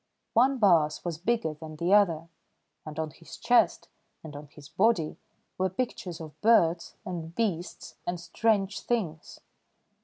One baas was bigger than the other, and on his chest and on his body were pictures of birds, and beasts, and strange things.